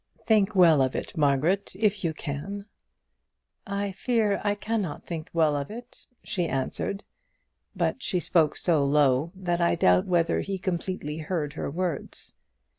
"Think well of it, Margaret, if you can." "I fear I cannot think well of it," she answered. But she spoke so low, that I doubt whether he completely heard her words.